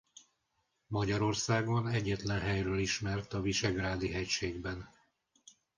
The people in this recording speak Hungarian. Magyarországon egyetlen helyről ismert a Visegrádi-hegységben.